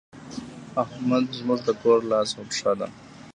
احمد زموږ د کور لاس او پښه دی.